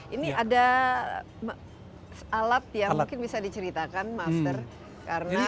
ini ada alat yang mungkin bisa diceritakan master karena